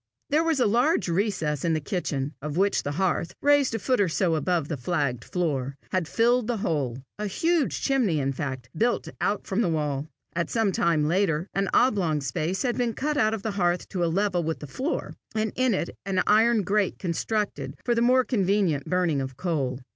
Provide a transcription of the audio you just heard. There was a large recess in the kitchen, of which the hearth, raised a foot or so above the flagged floor, had filled the whole a huge chimney in fact, built out from the wall. At some later time an oblong space had been cut out of the hearth to a level with the floor, and in it an iron grate constructed for the more convenient burning of coal.